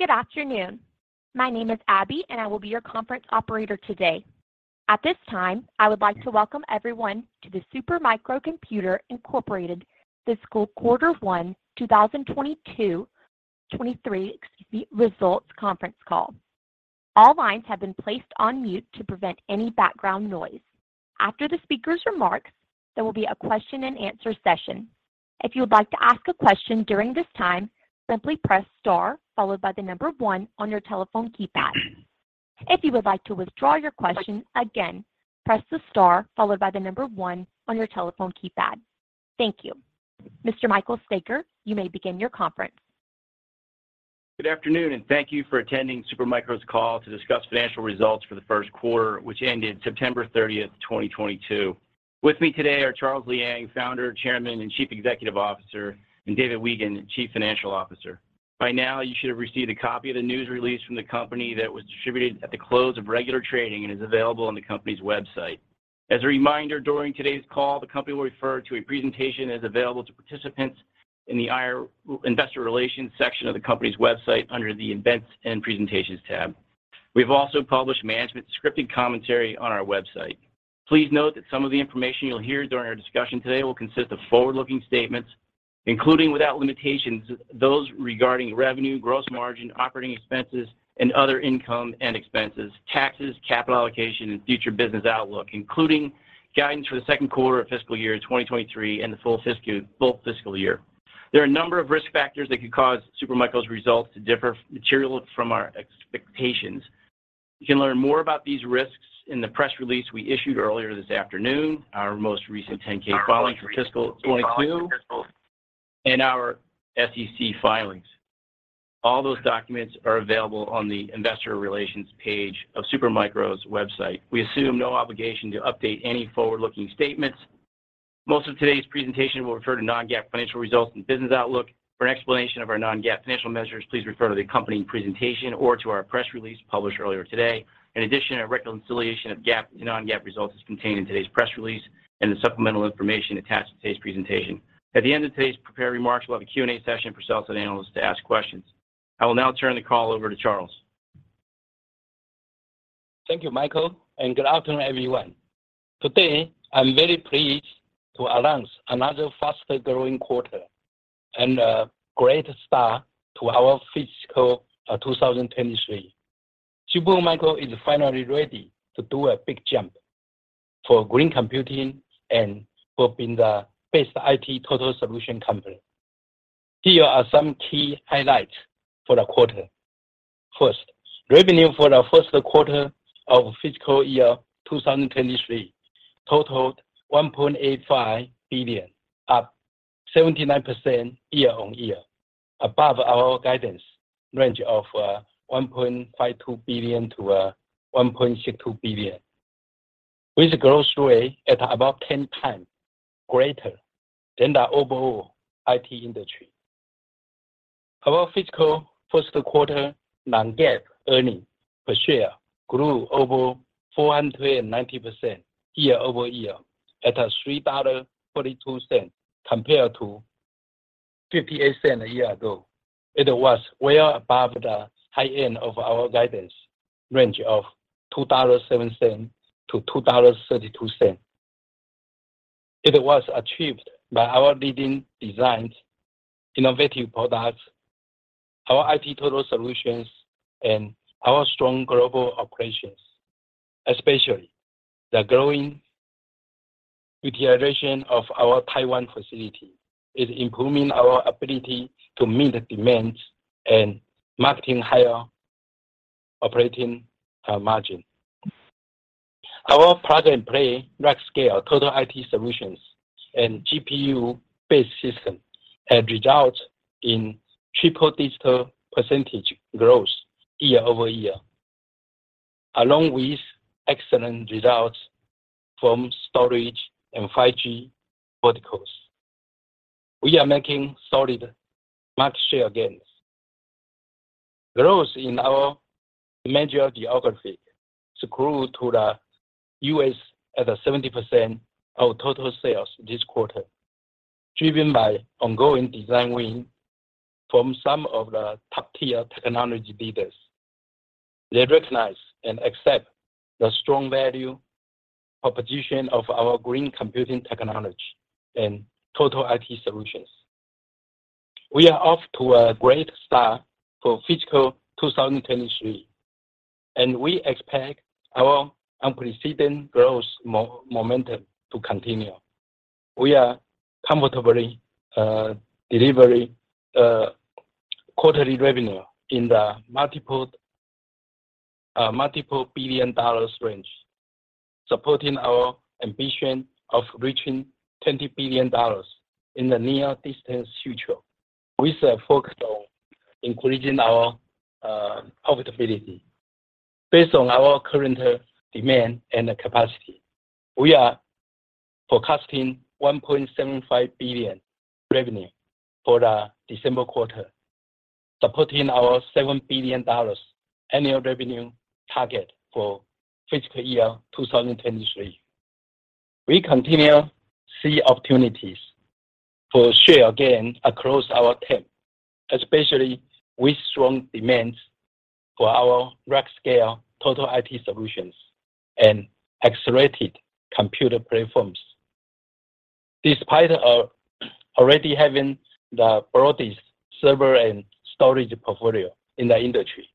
Good afternoon. My name is Abby, and I will be your conference operator today. At this time, I would like to welcome everyone to the Super Micro Computer, Inc. Fiscal Quarter One 2023 Results Conference Call. All lines have been placed on mute to prevent any background noise. After the speaker's remarks, there will be a question and answer session. If you would like to ask a question during this time, simply press star followed by the number one on your telephone keypad. If you would like to withdraw your question, again, press the star followed by the number one on your telephone keypad. Thank you. Mr. Michael Staiger, you may begin your conference. Good afternoon, and thank you for attending Super Micro's call to discuss financial results for the first quarter, which ended September 30, 2022. With me today are Charles Liang, Founder, Chairman, and Chief Executive Officer, and David Weigand, Chief Financial Officer. By now, you should have received a copy of the news release from the company that was distributed at the close of regular trading and is available on the company's website. As a reminder, during today's call, the company will refer to a presentation that is available to participants in the IR, Investor Relations section of the company's website under the Events and Presentations tab. We've also published management's scripted commentary on our website. Please note that some of the information you'll hear during our discussion today will consist of forward-looking statements, including, without limitations, those regarding revenue, gross margin, operating expenses, and other income and expenses, taxes, capital allocation, and future business outlook, including guidance for the second quarter of fiscal year 2023 and the full fiscal year. There are a number of risk factors that could cause Super Micro's results to differ materially from our expectations. You can learn more about these risks in the press release we issued earlier this afternoon, our most recent 10-K filing for fiscal 2022, and our SEC filings. All those documents are available on the Investor Relations page of Super Micro's website. We assume no obligation to update any forward-looking statements. Most of today's presentation will refer to non-GAAP financial results and business outlook. For an explanation of our non-GAAP financial measures, please refer to the accompanying presentation or to our press release published earlier today. In addition, a reconciliation of GAAP to non-GAAP results is contained in today's press release and the supplemental information attached to today's presentation. At the end of today's prepared remarks, we'll have a Q&A session for sales and analysts to ask questions. I will now turn the call over to Charles. Thank you, Michael, and good afternoon, everyone. Today, I'm very pleased to announce another faster-growing quarter and a great start to our fiscal 2023. Super Micro is finally ready to do a big jump for green computing and to be the best IT total solution company. Here are some key highlights for the quarter. First, revenue for the first quarter of fiscal year 2023 totaled $1.85 billion, up 79% year-on-year, above our guidance range of $1.52 billion-$1.62 billion, with growth rate at about 10 times greater than the overall IT industry. Our fiscal first quarter non-GAAP earnings per share grew over 490% year-over-year at $3.42 compared to $0.58 a year ago. It was well above the high end of our guidance range of $2.07-$2.32. It was achieved by our leading designs, innovative products, our total IT solutions, and our strong global operations, especially the growing utilization of our Taiwan facility is improving our ability to meet the demands and maintaining higher operating margin. Our Plug and Play Rack Scale Total IT Solutions and GPU-based system have resulted in triple-digit percentage growth year-over-year, along with excellent results from storage and 5G verticals. We are making solid market share gains. Growth in our major geographies in the US grew to 70% of total sales this quarter, driven by ongoing design wins from some of the top-tier technology leaders. They recognize and accept the strong value proposition of our green computing technology and total IT solutions. We are off to a great start for fiscal 2023, and we expect our unprecedented growth momentum to continue. We are comfortably delivering quarterly revenue in the multiple billion dollars range, supporting our ambition of reaching $20 billion in the near distant future. We are focused on increasing our profitability. Based on our current demand and capacity, we are forecasting $1.75 billion revenue for the December quarter, supporting our $7 billion annual revenue target for fiscal year 2023. We continue to see opportunities for share gain across our TAM, especially with strong demands for our Rack Scale Total IT Solutions and accelerated computer platforms. Despite already having the broadest server and storage portfolio in the industry,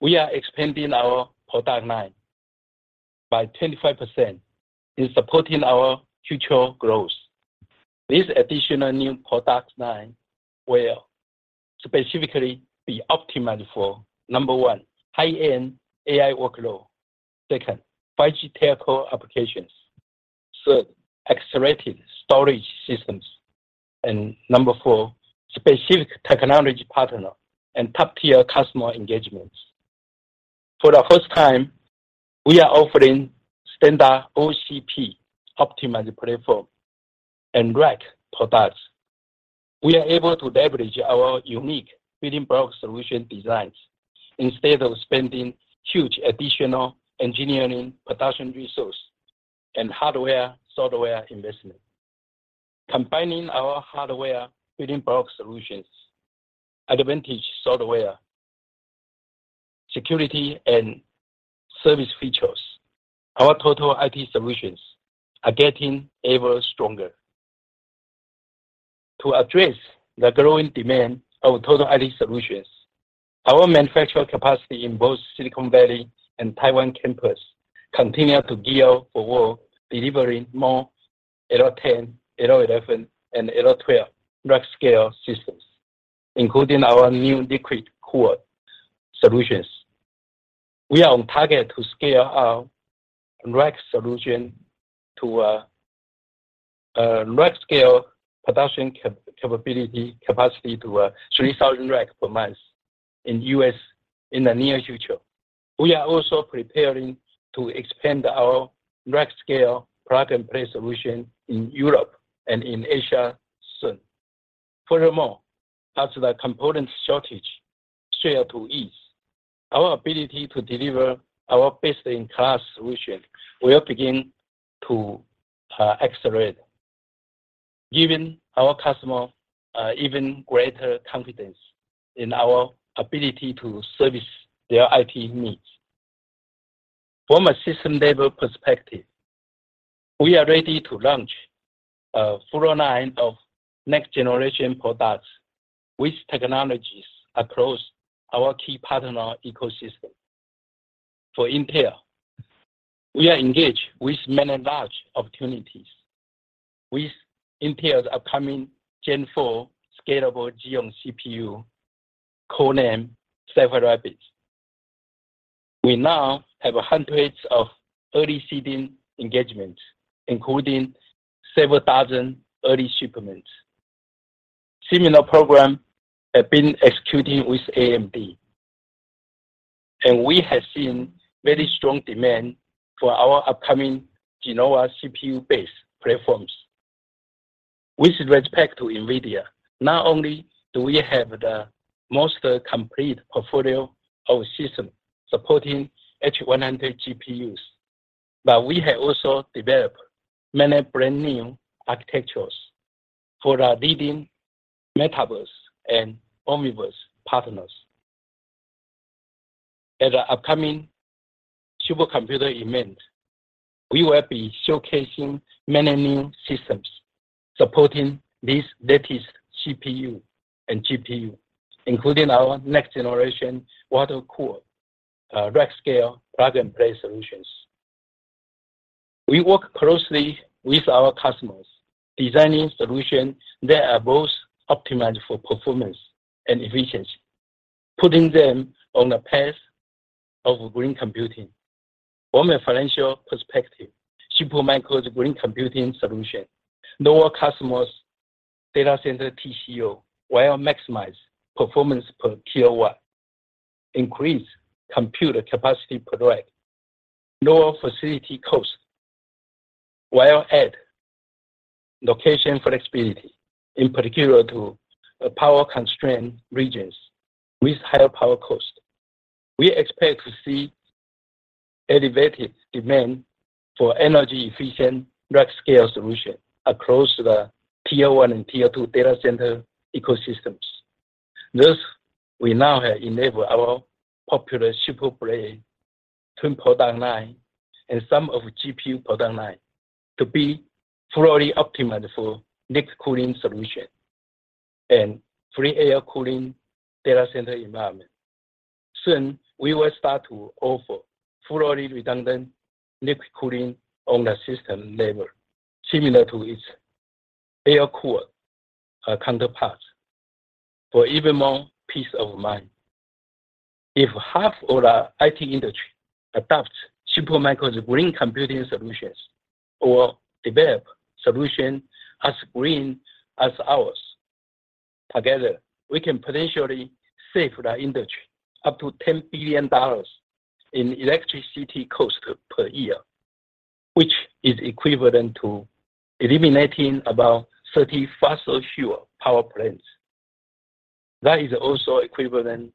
we are expanding our product line by 25% to support our future growth. This additional new product line will specifically be optimized for 1, high-end AI workload. 2, 5G telco applications. 3, accelerated storage systems. 4, specific technology partner and top-tier customer engagements. For the first time, we are offering standard OCP optimized platform and rack products. We are able to leverage our unique Building Block Solutions designs instead of spending huge additional engineering production resource and hardware, software investment. Combining our hardware Building Block Solutions, advantage software, security and service features, our total IT solutions are getting ever stronger. To address the growing demand of total IT solutions, our manufacturing capacity in both Silicon Valley and Taiwan campuses continue to gear up for work, delivering more 810, 811, and 812 rack scale systems, including our new liquid-cooled solutions. We are on target to scale our rack solution to rack scale production capacity to 3,000 racks per month in U.S. in the near future. We are also preparing to expand our rack scale Plug and Play solution in Europe and in Asia soon. Furthermore, as the component shortages start to ease, our ability to deliver our best-in-class solutions will begin to accelerate, giving our customers even greater confidence in our ability to service their IT needs. From a system-level perspective, we are ready to launch a full line of next-generation products with technologies across our key partner ecosystem. For Intel, we are engaged with many large opportunities with Intel's upcoming 4th Gen Scalable Xeon CPU, codename Sapphire Rapids. We now have hundreds of early seeding engagements, including several thousand early shipments. Similar programs have been executing with AMD, and we have seen very strong demand for our upcoming Genoa CPU-based platforms. With respect to NVIDIA, not only do we have the most complete portfolio of systems supporting H100 GPUs, but we have also developed many brand new architectures for our leading metaverse and Omniverse partners. At the upcoming supercomputer event, we will be showcasing many new systems supporting these latest CPU and GPU, including our next generation water cooled rack scale Plug and Play solutions. We work closely with our customers, designing solutions that are both optimized for performance and efficiency, putting them on a path of green computing. From a financial perspective, Super Micro's green computing solution lowers customers' data center TCO while maximizing performance per kilowatt, increasing computer capacity per rack, lowering facility costs, while adding location flexibility, in particular to power-constrained regions with higher power costs. We expect to see elevated demand for energy-efficient rack-scale solutions across the tier one and tier two data center ecosystems. Thus, we now have enabled our popular SuperBlade twin product line and some of GPU product line to be fully optimized for liquid cooling solutions and free air cooling data center environments. Soon, we will start to offer fully redundant liquid cooling on the system level, similar to its air-cooled counterparts for even more peace of mind. If half of the IT industry adopts Super Micro's green computing solutions or develop solution as green as ours, together, we can potentially save the industry up to $10 billion in electricity cost per year, which is equivalent to eliminating about 30 fossil fuel power plants. That is also equivalent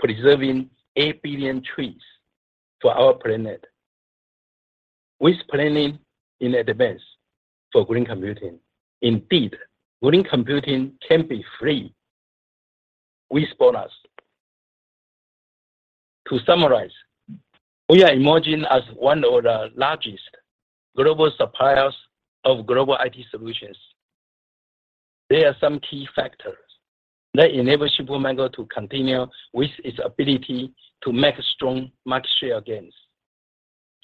to preserving 8 billion trees for our planet. With planning in advance for green computing, indeed, green computing can be free with bonus. To summarize, we are emerging as one of the largest global suppliers of global IT solutions. There are some key factors that enable Supermicro to continue with its ability to make strong market share gains.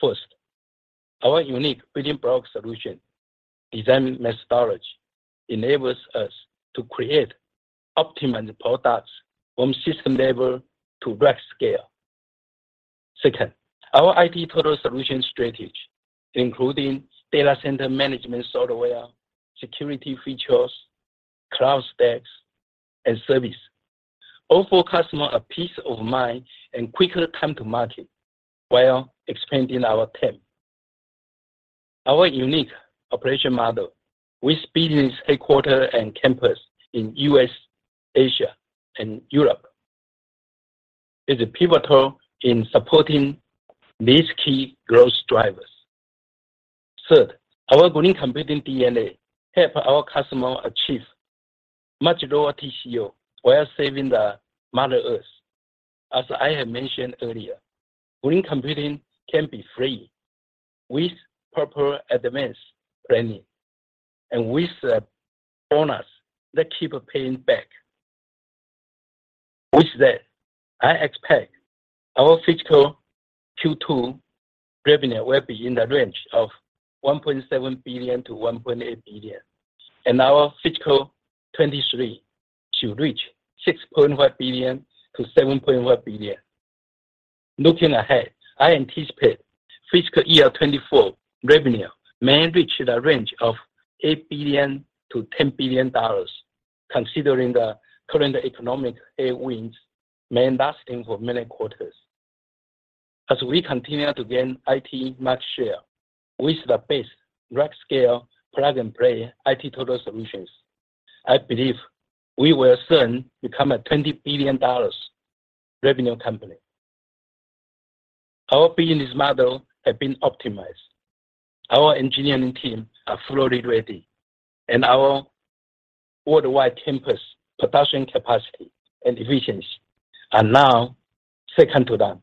First, our unique Building Block Solutions design methodologies enables us to create optimal products from system level to rack scale. Second, our IT total solution strategy, including data center management software, security features, cloud stacks, and services offer customers a peace of mind and quicker time to market while expanding our TAM. Our unique operational model with business headquarters and campuses in the U.S., Asia, and Europe is pivotal in supporting these key growth drivers. Third, our green computing DNA helps our customers achieve much lower TCO while saving the Mother Earth. As I have mentioned earlier, green computing can be free with proper advanced planning and with the bonus that keeps paying back. With that, I expect our fiscal Q2 revenue will be in the range of $1.7 billion-$1.8 billion, and our fiscal 2023 to reach $6.5 billion-$7.5 billion. Looking ahead, I anticipate fiscal year 2024 revenue may reach the range of $8 billion-$10 billion, considering the current economic headwinds may last into many quarters. As we continue to gain IT market share with the best rack scale plug and play IT total solutions, I believe we will soon become a $20 billion revenue company. Our business model have been optimized. Our engineering team are fully ready, and our worldwide campus production capacity and efficiency are now second to none.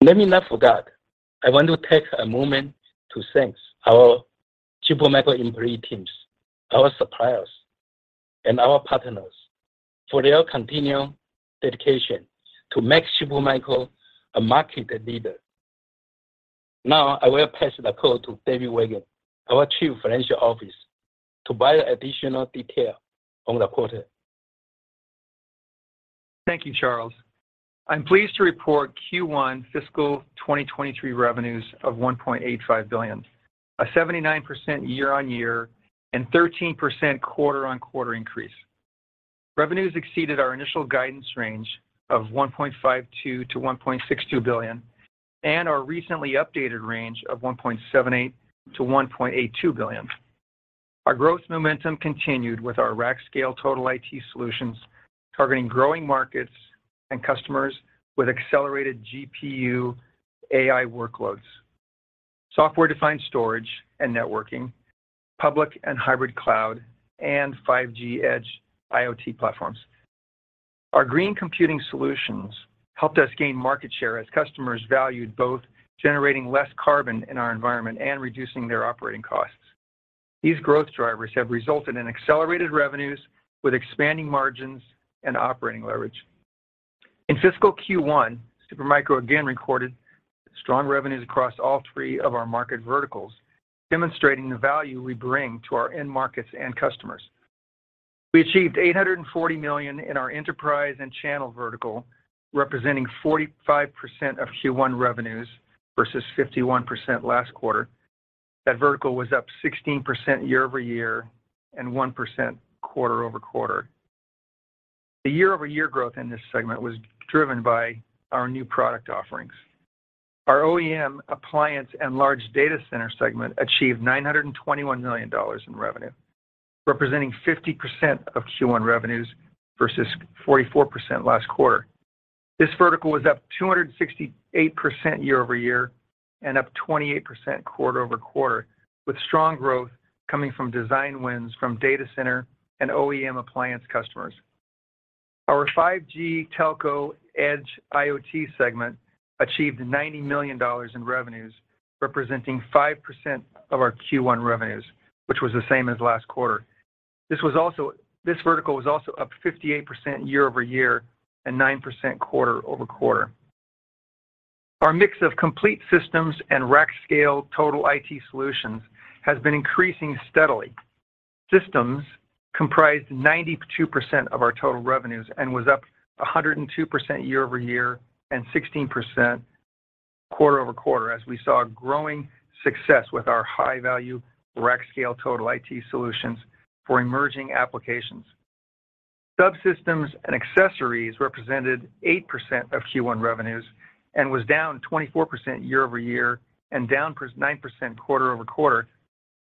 Let me not forget, I want to take a moment to thank our Supermicro employee teams, our suppliers, and our partners for their continued dedication to make Supermicro a market leader. Now, I will pass the call to David Weigand, our Chief Financial Officer, to provide additional detail on the quarter. Thank you, Charles. I'm pleased to report Q1 fiscal 2023 revenues of $1.85 billion, a 79% year-over-year, and 13% quarter-over-quarter increase. Revenues exceeded our initial guidance range of $1.52-$1.62 billion and our recently updated range of $1.78-$1.82 billion. Our growth momentum continued with our Rack Scale Total IT Solutions targeting growing markets and customers with accelerated GPU AI workloads, software-defined storage and networking, public and hybrid cloud, and 5G edge IoT platforms. Our green computing solutions helped us gain market share as customers valued both generating less carbon in our environment and reducing their operating costs. These growth drivers have resulted in accelerated revenues with expanding margins and operating leverage. In fiscal Q1, Supermicro again recorded strong revenues across all three of our market verticals, demonstrating the value we bring to our end markets and customers. We achieved $840 million in our enterprise and channel vertical, representing 45% of Q1 revenues versus 51% last quarter. That vertical was up 16% year-over-year and 1% quarter-over-quarter. The year-over-year growth in this segment was driven by our new product offerings. Our OEM appliance and large data center segment achieved $921 million in revenue, representing 50% of Q1 revenues versus 44% last quarter. This vertical was up 268% year-over-year and up 28% quarter-over-quarter, with strong growth coming from design wins from data center and OEM appliance customers. Our 5G telco edge IoT segment achieved $90 million in revenues, representing 5% of our Q1 revenues, which was the same as last quarter. This vertical was also up 58% year-over-year and 9% quarter-over-quarter. Our mix of complete systems and Rack Scale Total IT Solutions has been increasing steadily. Systems comprised 92% of our total revenues and was up 102% year-over-year and 16% quarter-over-quarter as we saw a growing success with our high-value Rack Scale Total IT Solutions for emerging applications. Subsystems and accessories represented 8% of Q1 revenues and was down 24% year-over-year and down nine percent quarter-over-quarter.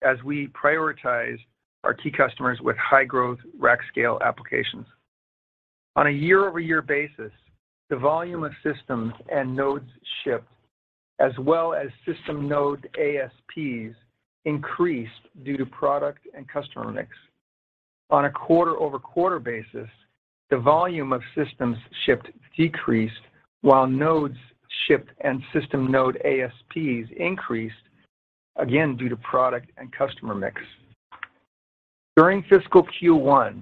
As we prioritize our key customers with high-growth rack scale applications. On a year-over-year basis, the volume of systems and nodes shipped, as well as system node ASPs, increased due to product and customer mix. On a quarter-over-quarter basis, the volume of systems shipped decreased, while nodes shipped and system node ASPs increased, again due to product and customer mix. During fiscal Q1,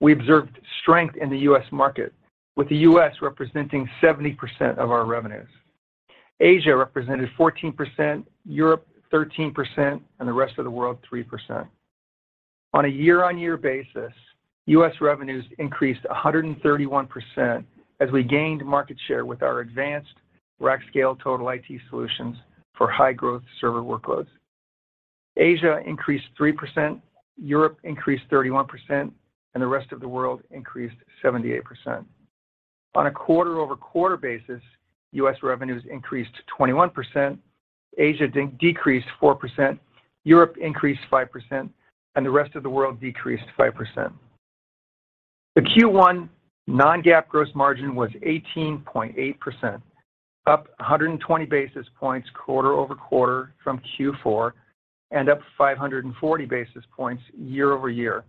we observed strength in the U.S. market, with the U.S. representing 70% of our revenues. Asia represented 14%, Europe 13%, and the rest of the world 3%. On a year-over-year basis, U.S. revenues increased 131% as we gained market share with our advanced Rack Scale Total IT Solutions for high-growth server workloads. Asia increased 3%, Europe increased 31%, and the rest of the world increased 78%. On a quarter-over-quarter basis, U.S. revenues increased 21%, Asia decreased 4%, Europe increased 5%, and the rest of the world decreased 5%. The Q1 non-GAAP gross margin was 18.8%, up 120 basis points quarter-over-quarter from Q4 and up 540 basis points year-over-year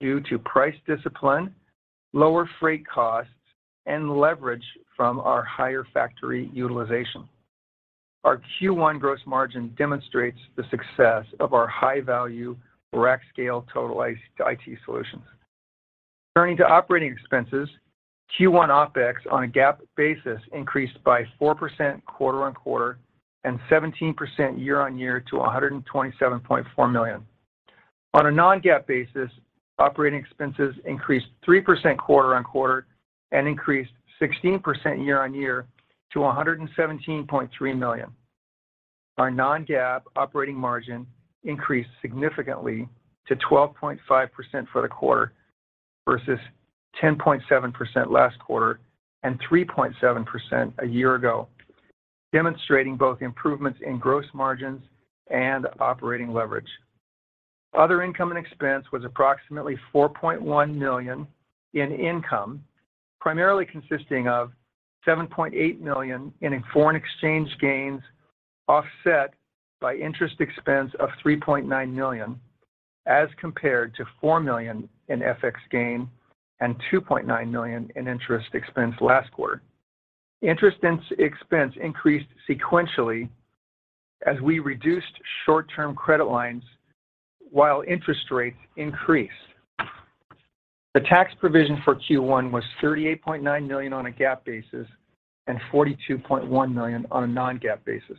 due to price discipline, lower freight costs, and leverage from our higher factory utilization. Our Q1 gross margin demonstrates the success of our high-value Rack Scale Total IT Solutions. Turning to operating expenses, Q1 OpEx on a GAAP basis increased by 4% quarter-over-quarter and 17% year-over-year to $127.4 million. On a non-GAAP basis, operating expenses increased 3% quarter-over-quarter and increased 16% year-over-year to $117.3 million. Our non-GAAP operating margin increased significantly to 12.5% for the quarter versus 10.7% last quarter and 3.7% a year ago, demonstrating both improvements in gross margins and operating leverage. Other income and expense was approximately $4.1 million in income, primarily consisting of $7.8 million in foreign exchange gains offset by interest expense of $3.9 million as compared to $4 million in FX gain and $2.9 million in interest expense last quarter. Interest expense increased sequentially as we reduced short-term credit lines while interest rates increased. The tax provision for Q1 was $38.9 million on a GAAP basis and $42.9 million on a non-GAAP basis.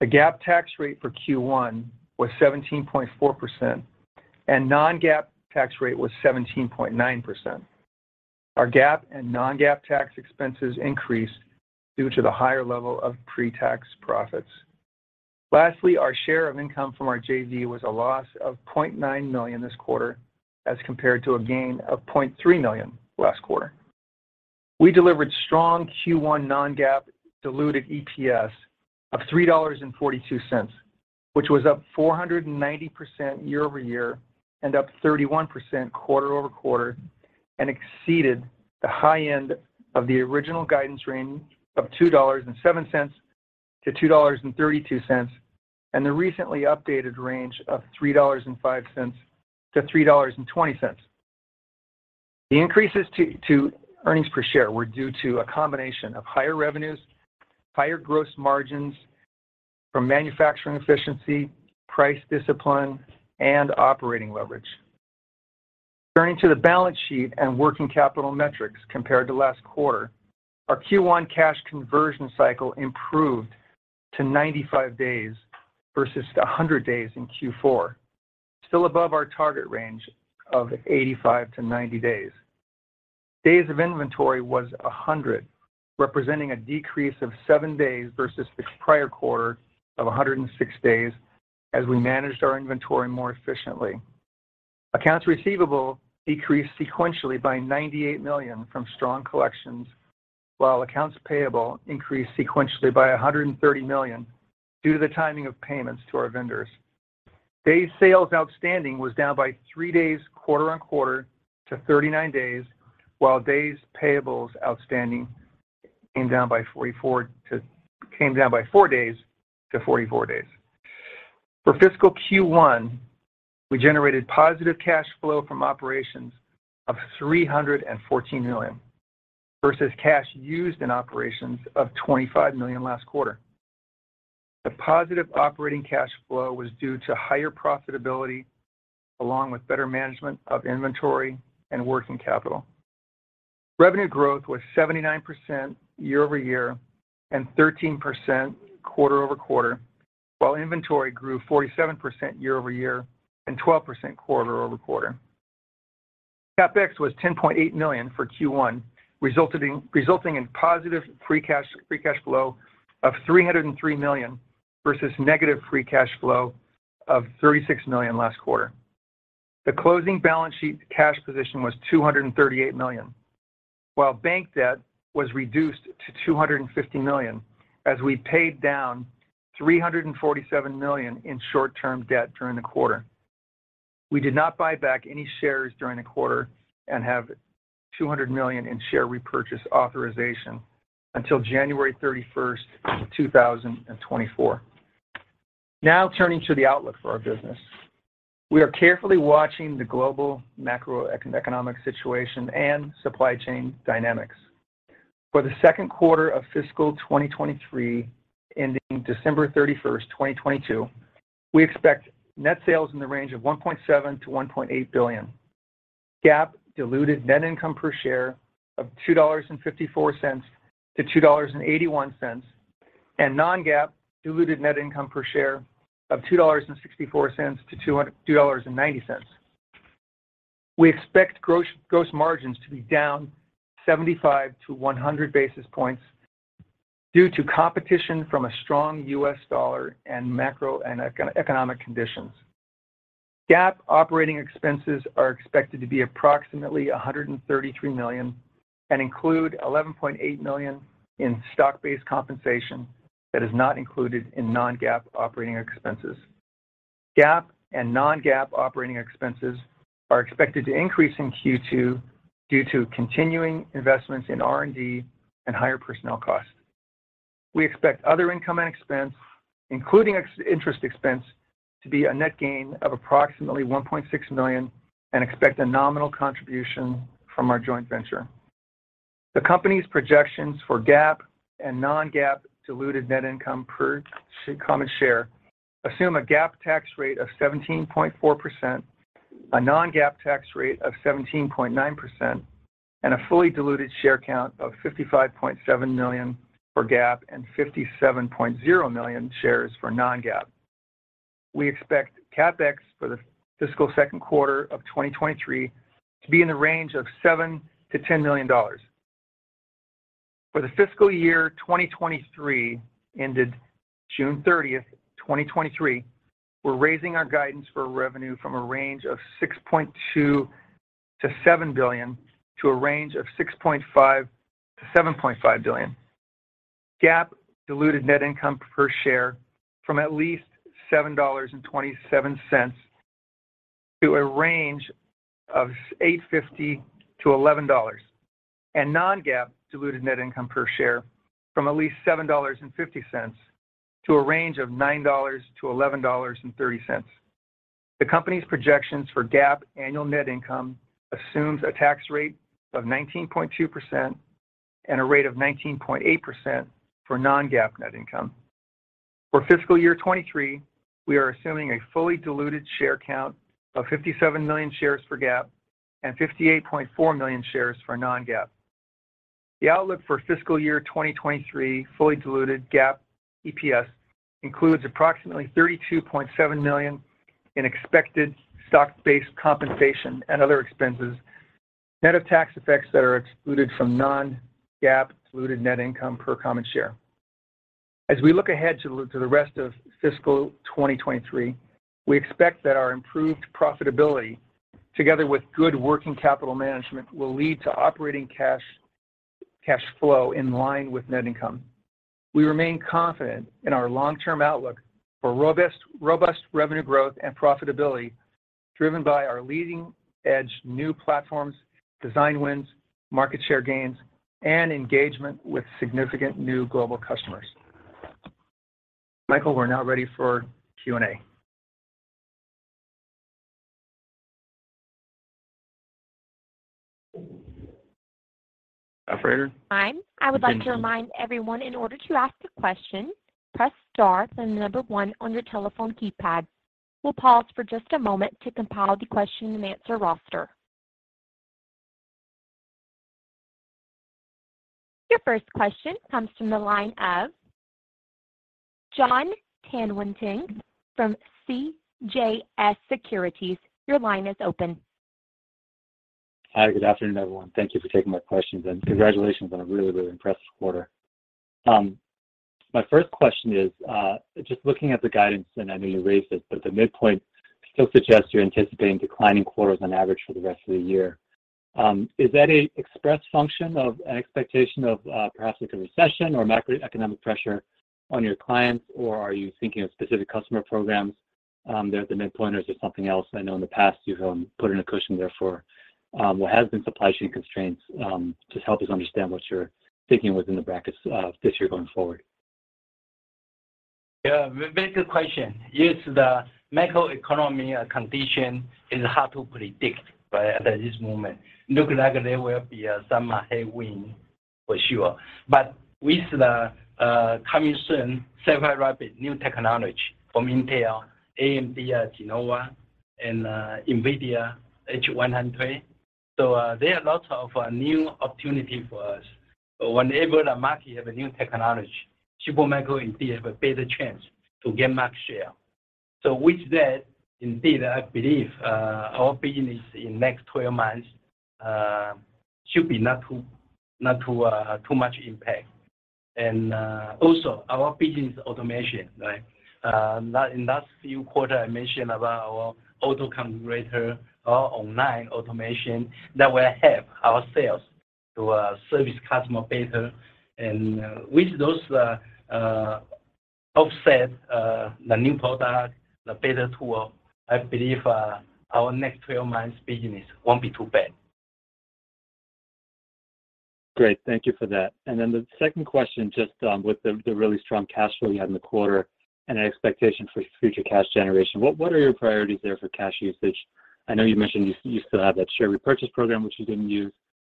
The GAAP tax rate for Q1 was 17.4% and non-GAAP tax rate was 17.9%. Our GAAP and non-GAAP tax expenses increased due to the higher level of pre-tax profits. Lastly, our share of income from our JV was a loss of $0.9 million this quarter as compared to a gain of $0.3 million last quarter. We delivered strong Q1 non-GAAP diluted EPS of $3.42, which was up 490% year-over-year and up 31% quarter-over-quarter and exceeded the high end of the original guidance range of $2.07-$2.32 and the recently updated range of $3.05-$3.20. The increases to earnings per share were due to a combination of higher revenues, higher gross margins from manufacturing efficiency, price discipline, and operating leverage. Turning to the balance sheet and working capital metrics compared to last quarter, our Q1 cash conversion cycle improved to 95 days versus 100 days in Q4, still above our target range of 85-90 days. Days of inventory was 100, representing a decrease of seven days versus the prior quarter of 106 days as we managed our inventory more efficiently. Accounts receivable decreased sequentially by $98 million from strong collections, while accounts payable increased sequentially by $130 million due to the timing of payments to our vendors. Days sales outstanding was down by three days quarter-over-quarter to 39 days, while days payables outstanding came down by four days to 44 days. For fiscal Q1, we generated positive cash flow from operations of $314 million versus cash used in operations of $25 million last quarter. The positive operating cash flow was due to higher profitability along with better management of inventory and working capital. Revenue growth was 79% year-over-year and 13% quarter-over-quarter, while inventory grew 47% year-over-year and 12% quarter-over-quarter. CapEx was $10.8 million for Q1, resulting in positive free cash flow of $303 million versus negative free cash flow of $36 million last quarter. The closing balance sheet cash position was $238 million, while bank debt was reduced to $250 million as we paid down $347 million in short-term debt during the quarter. We did not buy back any shares during the quarter and have $200 million in share repurchase authorization until January 31, 2024. Now turning to the outlook for our business. We are carefully watching the global macroeconomic situation and supply chain dynamics. For the second quarter of fiscal 2023, ending December 31, 2022, we expect net sales in the range of $1.7 billion-$1.8 billion. GAAP diluted net income per share of $2.54 to $2.81, and non-GAAP diluted net income per share of $2.64 to $2.90. We expect gross margins to be down 75 to 100 basis points due to competition from a strong US dollar and macro and economic conditions. GAAP operating expenses are expected to be approximately $133 million and include $11.8 million in stock-based compensation that is not included in non-GAAP operating expenses. GAAP and non-GAAP operating expenses are expected to increase in Q2 due to continuing investments in R&D and higher personnel costs. We expect other income and expense, excluding interest expense, to be a net gain of approximately $1.6 million and expect a nominal contribution from our joint venture. The company's projections for GAAP and non-GAAP diluted net income per common share assume a GAAP tax rate of 17.4%, a non-GAAP tax rate of 17.9%, and a fully diluted share count of 55.7 million for GAAP and 57.0 million shares for non-GAAP. We expect CapEx for the fiscal second quarter of 2023 to be in the range of $7 million-$10 million. For the fiscal year 2023 ended June 30, 2023, we're raising our guidance for revenue from a range of $6.2 billion-$7 billion to a range of $6.5 billion-$7.5 billion. GAAP diluted net income per share from at least $7.27 to a range of $8.50-$11. Non-GAAP diluted net income per share from at least $7.50 to a range of $9-$11.30. The company's projections for GAAP annual net income assumes a tax rate of 19.2% and a rate of 19.8% for non-GAAP net income. For fiscal year 2023, we are assuming a fully diluted share count of 57 million shares for GAAP and 58.4 million shares for non-GAAP. The outlook for fiscal year 2023 fully diluted GAAP EPS includes approximately 32.7 million in expected stock-based compensation and other expenses, net of tax effects that are excluded from non-GAAP diluted net income per common share. As we look ahead to the rest of fiscal 2023, we expect that our improved profitability, together with good working capital management, will lead to operating cash flow in line with net income. We remain confident in our long-term outlook for robust revenue growth and profitability driven by our leading-edge new platforms, design wins, market share gains, and engagement with significant new global customers. Michael, we're now ready for Q&A. Operator. Hi. I would like to remind everyone, in order to ask a question, press star then the number one on your telephone keypad. We'll pause for just a moment to compile the question and answer roster. Your first question comes from the line of Jonathan E. Tanwanteng from CJS Securities. Your line is open. Hi. Good afternoon, everyone. Thank you for taking my questions, and congratulations on a really, really impressive quarter. My first question is, just looking at the guidance, and I know you raised it, but the midpoint still suggests you're anticipating declining quarters on average for the rest of the year. Is that a direct function of an expectation of, perhaps like a recession or macroeconomic pressure on your clients, or are you thinking of specific customer programs, there at the midpoint, or is it something else? I know in the past you've put in a cushion there for, what has been supply chain constraints. Just help us understand what you're thinking within the brackets, this year going forward. Very good question. Yes, the macro economy condition is hard to predict at this moment. Looks like there will be some headwind for sure. With the coming soon, Sapphire Rapids new technology from Intel, AMD Genoa, and NVIDIA H100, there are lots of new opportunity for us. Whenever the market have a new technology, Super Micro indeed have a better chance to get max share. With that, indeed, I believe our business in next 12 months should be not too much impact. Also our business automation, right? In that few quarter I mentioned about our auto-configurator, our online automation that will help our sales to service customer better. With those offsets, the new product, the better tool, I believe our next twelve months business won't be too bad. Great. Thank you for that. The second question, just with the really strong cash flow you had in the quarter and an expectation for future cash generation, what are your priorities there for cash usage? I know you mentioned you still have that share repurchase program, which you didn't use.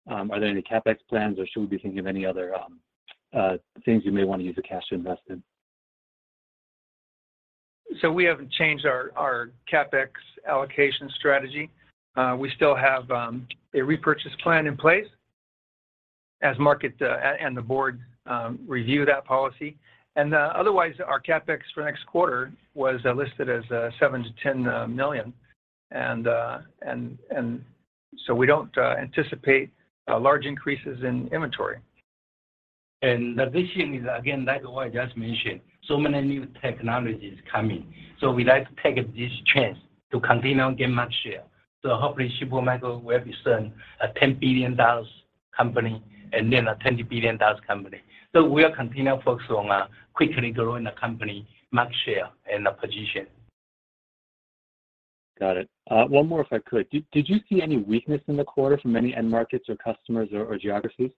Are there any CapEx plans, or should we be thinking of any other things you may wanna use the cash to invest in? We haven't changed our CapEx allocation strategy. We still have a repurchase plan in place as market and the board review that policy. Otherwise, our CapEx for next quarter was listed as $7 million-$10 million. We don't anticipate large increases in inventory. The vision is, again, like what I just mentioned, so many new technologies coming. We like to take this chance to continue and gain market share. Hopefully Super Micro will be soon a $10 billion company and then a $20 billion company. We'll continue to focus on quickly growing the company market share and the position. Got it. One more, if I could. Did you see any weakness in the quarter from any end markets or customers or geographies?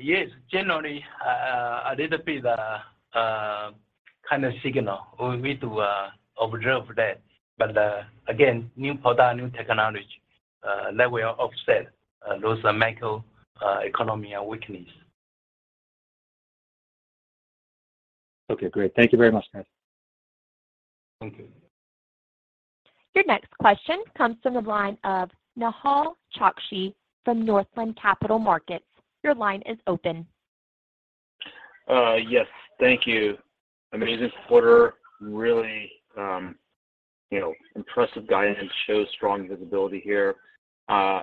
Yes. Generally, a little bit kind of signal. We need to observe that. Again, new product, new technology that will offset those macroeconomic weaknesses. Okay, great. Thank you very much, guys. Thank you. Your next question comes from the line of Nehal Chokshi from Northland Capital Markets. Your line is open. Yes. Thank you. Amazing quarter. Really, you know, impressive guidance shows strong visibility here. I'm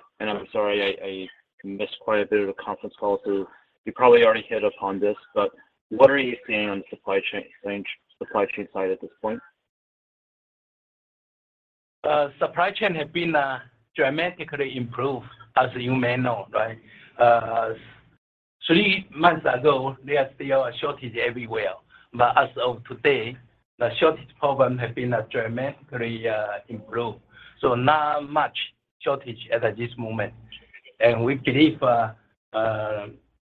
sorry I missed quite a bit of the conference call, so you probably already hit upon this. What are you seeing on the supply chain change, supply chain side at this point? Supply chain have been dramatically improved, as you may know, right? Three months ago, there are still a shortage everywhere. As of today, the shortage problem have been dramatically improved. Not much shortage at this moment. We believe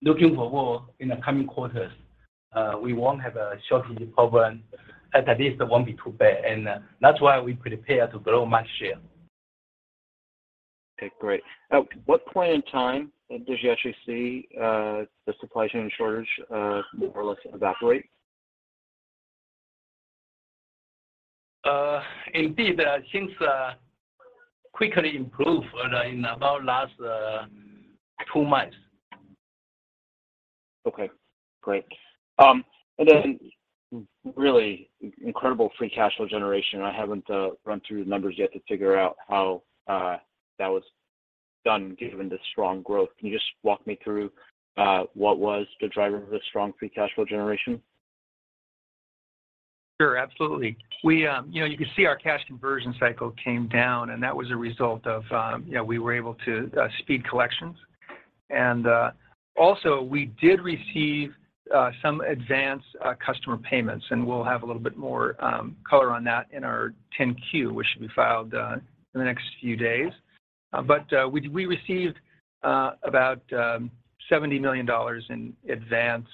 looking forward in the coming quarters we won't have a shortage problem, at least it won't be too bad. That's why we prepare to grow market share. Okay, great. At what point in time did you actually see the supply chain shortage more or less evaporate? Indeed, things quickly improved in about the last two months. Okay, great. Really incredible free cash flow generation. I haven't run through the numbers yet to figure out how that was done given the strong growth. Can you just walk me through what was the driver of the strong free cash flow generation? Sure. Absolutely. We, you know, you can see our cash conversion cycle came down, and that was a result of, you know, we were able to speed collections. Also, we did receive some advanced customer payments, and we'll have a little bit more color on that in our 10-Q, which should be filed in the next few days. But, we received about $70 million in advance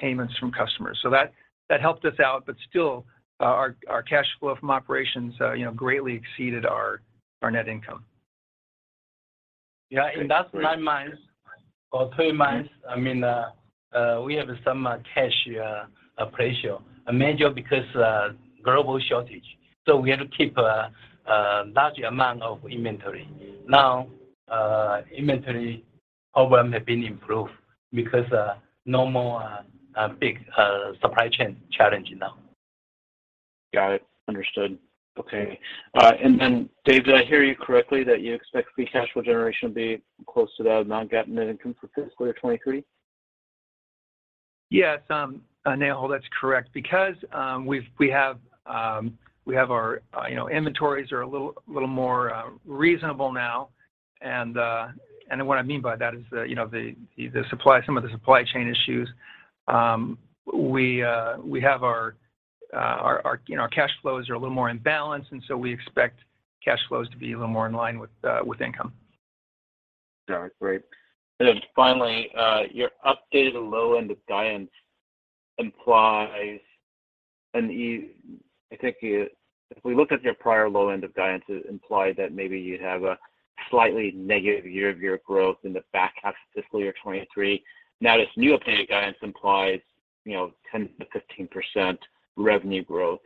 payments from customers. That helped us out, but still, our cash flow from operations, you know, greatly exceeded our net income. Yeah. In last 9 months or 3 months, I mean, we have some cash pressure, major because global shortage. We had to keep a large amount of inventory. Now, inventory problem have been improved because no more big supply chain challenge now. Got it. Understood. Okay. David, did I hear you correctly that you expect free cash flow generation to be close to the non-GAAP net income for fiscal year 2023? Yes, Nehal, that's correct, because we have our, you know, inventories are a little more reasonable now. What I mean by that is the, you know, the supply, some of the supply chain issues. We have our, you know, cash flows are a little more in balance, and so we expect cash flows to be a little more in line with income. Got it. Great. Finally, your updated low end of guidance implies. If we look at your prior low end of guidance, it implied that maybe you'd have a slightly negative year-over-year growth in the back half of fiscal year 2023. Now, this new updated guidance implies, you know, 10%-15% revenue growth.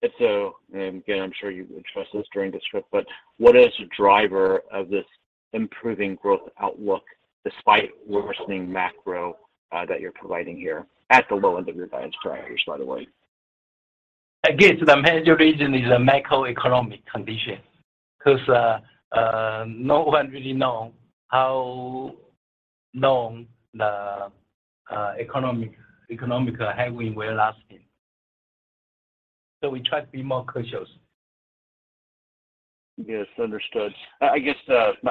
If so, and again, I'm sure you addressed this during the script, but what is the driver of this improving growth outlook despite worsening macro that you're providing here at the low end of your guidance drivers, by the way? I guess the major reason is a macroeconomic condition, because no one really know how long the economic highway will last in. We try to be more cautious. Yes. Understood. I guess,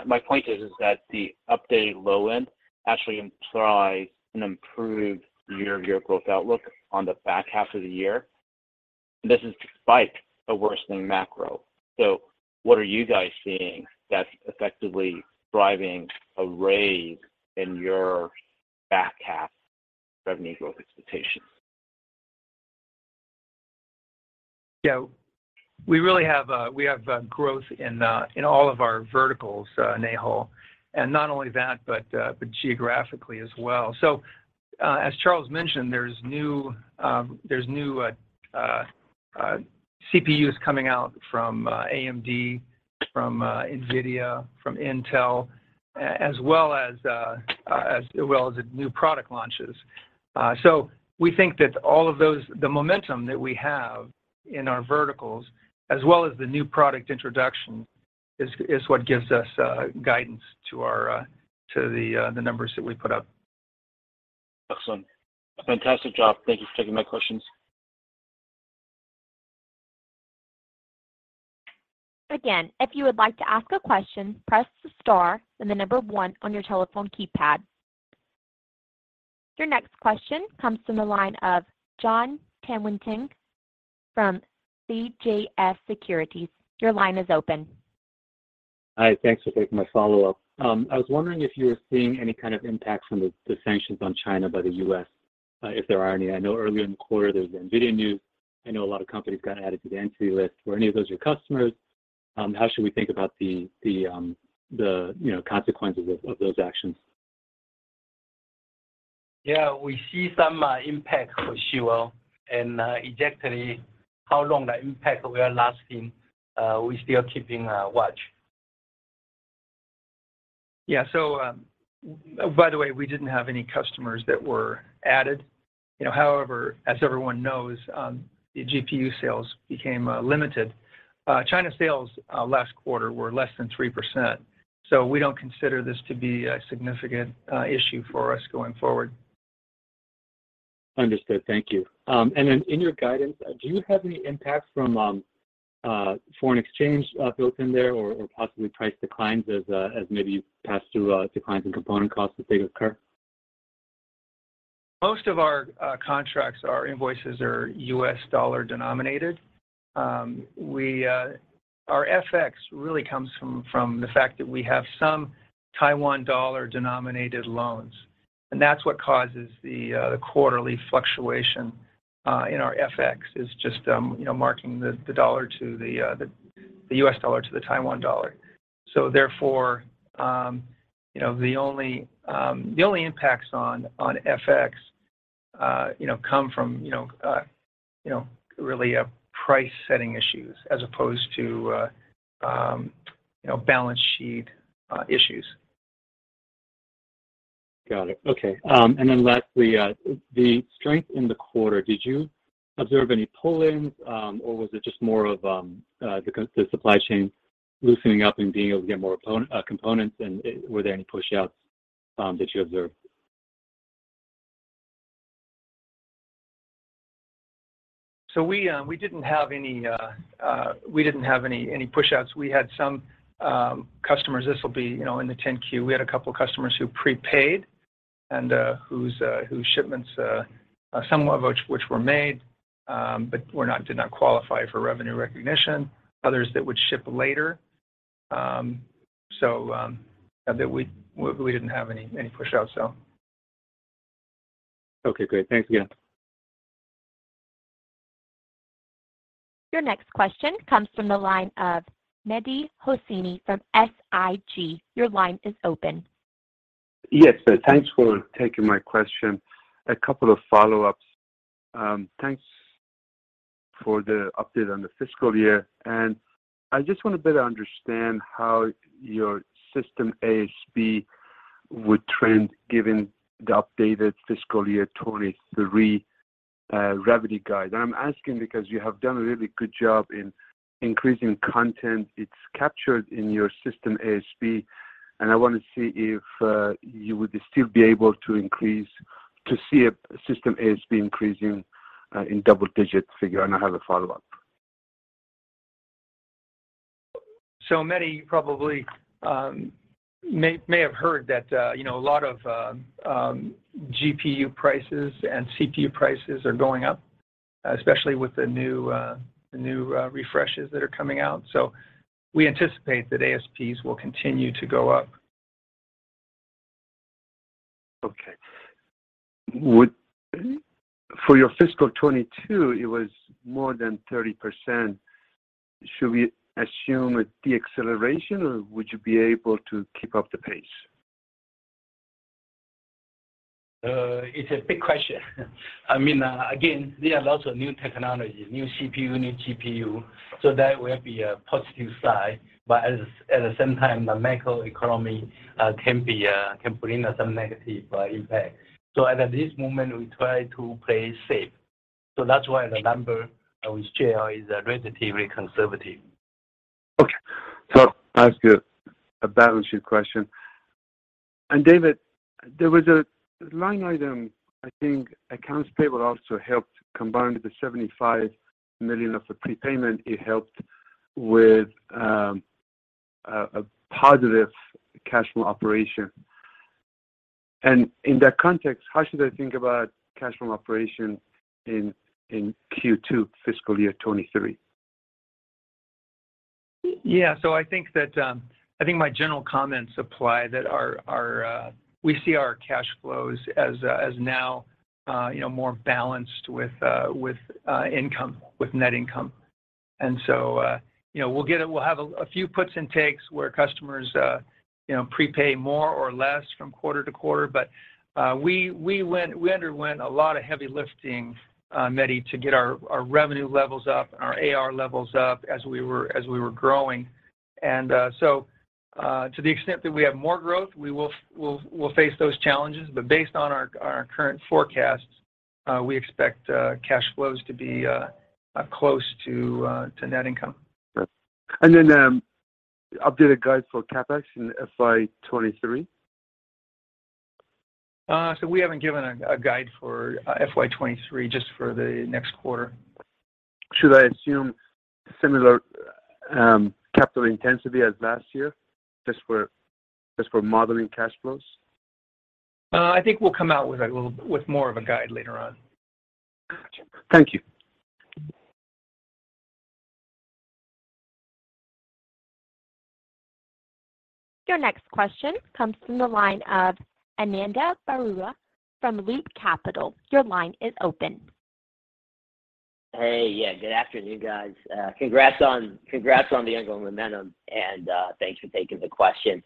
my point is that the updated low end actually implies an improved year-over-year growth outlook on the back half of the year. This is despite a worsening macro. What are you guys seeing that's effectively driving a raise in your back half revenue growth expectations? Yeah. We really have growth in all of our verticals, Nehal. Not only that, but geographically as well. As Charles mentioned, there's new CPUs coming out from AMD, from NVIDIA, from Intel, as well as new product launches. We think that all of those, the momentum that we have in our verticals as well as the new product introduction is what gives us guidance to the numbers that we put up. Excellent. Fantastic job. Thank you for taking my questions. Again, if you would like to ask a question, press the star and the number one on your telephone keypad. Your next question comes from the line of Jonathan E. Tanwanteng from CJS Securities. Your line is open. Hi. Thanks for taking my follow-up. I was wondering if you were seeing any kind of impact from the sanctions on China by the U.S., if there are any. I know earlier in the quarter there's NVIDIA news. I know a lot of companies got added to the entity list. Were any of those your customers? How should we think about the, you know, consequences of those actions? Yeah. We see some impact for sure. Exactly how long that impact will lasting, we're still keeping a watch. By the way, we didn't have any customers that were added. You know, however, as everyone knows, the GPU sales became limited. China sales last quarter were less than 3%, so we don't consider this to be a significant issue for us going forward. Understood. Thank you. In your guidance, do you have any impact from foreign exchange built in there or possibly price declines as maybe you pass through declines in component costs as they occur? Most of our contracts, our invoices are U.S. dollar denominated. Our FX really comes from the fact that we have some Taiwan dollar denominated loans, and that's what causes the quarterly fluctuation in our FX. It's just you know marking the U.S. dollar to the Taiwan dollar. Therefore, you know, the only impacts on FX you know come from you know really price setting issues as opposed to you know balance sheet issues. Got it. Okay. Lastly, the strength in the quarter, did you observe any pull-ins, or was it just more of the supply chain loosening up and being able to get more components, and were there any pushouts that you observed? We didn't have any pushouts. We had some customers. This will be, you know, in the 10-Q. We had a couple of customers who prepaid and whose shipments, some of which were made but did not qualify for revenue recognition, others that would ship later, so that we didn't have any pushouts, so. Okay, great. Thanks again. Your next question comes from the line of Mehdi Hosseini from SIG. Your line is open. Yes. Thanks for taking my question. A couple of follow-ups. Thanks for the update on the fiscal year, and I just want to better understand how your system ASP would trend given the updated fiscal year 2023 revenue guide. I'm asking because you have done a really good job in increasing content. It's captured in your system ASP, and I want to see if you would still be able to increase to see if system ASP increasing in double digit figure. I have a follow-up. Mehdi, you probably may have heard that, you know, a lot of GPU prices and CPU prices are going up, especially with the new refreshes that are coming out. We anticipate that ASPs will continue to go up. Okay. For your fiscal 2022, it was more than 30%. Should we assume a deceleration or would you be able to keep up the pace? It's a big question. I mean, again, there are lots of new technologies, new CPU, new GPU, so that will be a positive side. At the same time, the macro economy can bring some negative impact. At this moment we try to play safe. That's why the number I will share is relatively conservative. Okay. Ask you a balance sheet question. David, there was a line item, I think accounts payable also helped combined with the $75 million of the prepayment, it helped with a positive cash flow operation. In that context, how should I think about cash flow operation in Q2 fiscal year 2023? I think my general comments apply that we see our cash flows as now you know more balanced with income with net income. We'll have a few puts and takes where customers you know prepay more or less from quarter to quarter. We underwent a lot of heavy lifting, Mehdi, to get our revenue levels up and our AR levels up as we were growing. To the extent that we have more growth, we'll face those challenges. Based on our current forecasts, we expect cash flows to be close to net income. Updated guide for CapEx in FY 2023? We haven't given a guide for FY 2023, just for the next quarter. Should I assume similar capital intensity as last year just for modeling cash flows? I think we'll come out with more of a guide later on. Gotcha. Thank you. Your next question comes from the line of Ananda Baruah from Loop Capital. Your line is open. Hey. Yeah, good afternoon, guys. Congrats on the ongoing momentum and thanks for taking the question.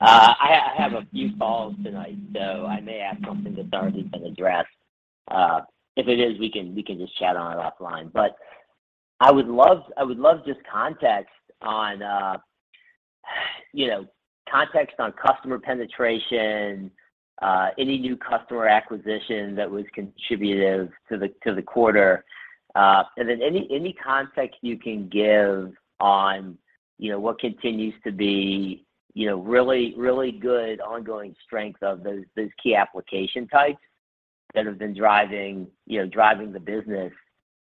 I have a few follows tonight, so I may ask something that's already been addressed. If it is, we can just chat on it offline. I would love just context on, you know, context on customer penetration, any new customer acquisition that was contributive to the quarter. Any context you can give on, you know, what continues to be, you know, really good ongoing strength of those key application types that have been driving, you know, driving the business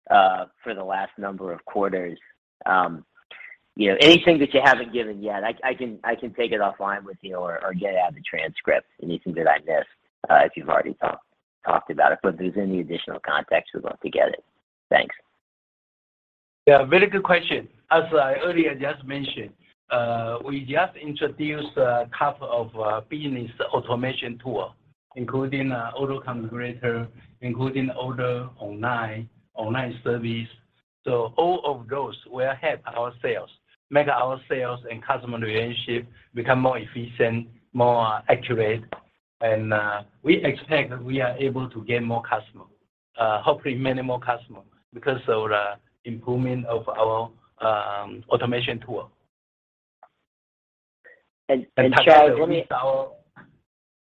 for the last number of quarters. You know, anything that you haven't given yet, I can take it offline with you or get it out of the transcript, anything that I missed, if you've already talked about it. If there's any additional context, we'd love to get it. Thanks. Yeah, very good question. As I earlier just mentioned, we just introduced a couple of business automation tool, including auto-configurator, order online service. All of those will help our sales, make our sales and customer relationship become more efficient, more accurate. We expect that we are able to gain more customer, hopefully many more customers because of the improvement of our automation tool. Charles, let me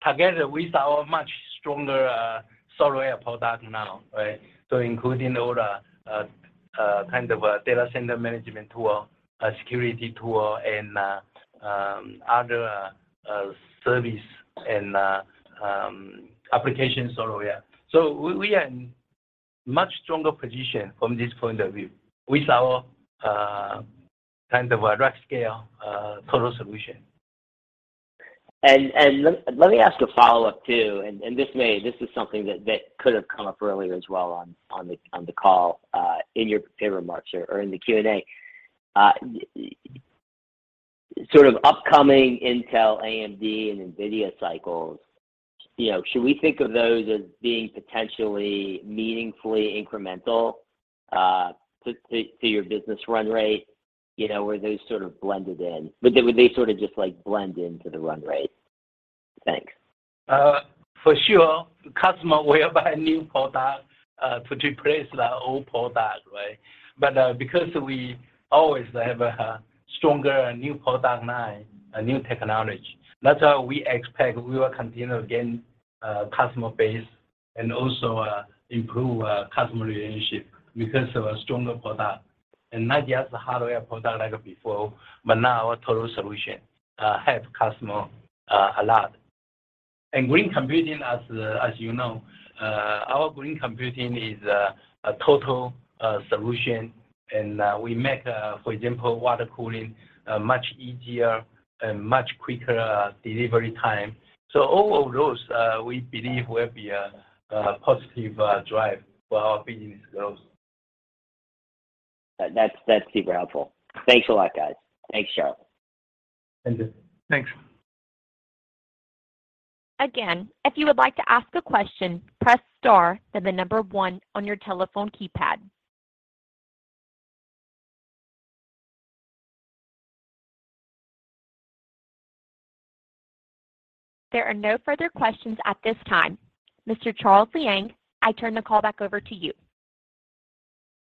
Together with our much stronger software product now, right? Including all the kind of data center management tool, security tool, and other service and application software. We are in much stronger position from this point of view with our kind of a large scale total solution. Let me ask a follow-up too. This is something that could have come up earlier as well on the call, in your prepared remarks or in the Q&A. Sort of upcoming Intel, AMD, and NVIDIA cycles, you know, should we think of those as being potentially meaningfully incremental to your business run rate? You know, were those sort of blended in? Would they sort of just like blend into the run rate? Thanks. For sure. Customer will buy new product to replace the old product, right? Because we always have a stronger new product line, a new technology, that's how we expect we will continue to gain customer base and also improve customer relationship because of a stronger product. Not just the hardware product like before, but now our total solution help customer a lot. Green computing, as you know, our green computing is a total solution. We make, for example, water cooling much easier and much quicker delivery time. All of those we believe will be a positive drive for our business growth. That's super helpful. Thanks a lot, guys. Thanks, Charles. Thank you. Thanks. Again, if you would like to ask a question, press star, then the number one on your telephone keypad. There are no further questions at this time. Mr. Charles Liang, I turn the call back over to you.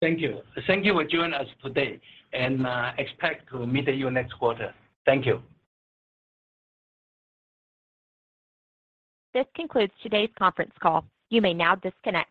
Thank you. Thank you for joining us today, and expect to meet you next quarter. Thank you. This concludes today's conference call. You may now disconnect.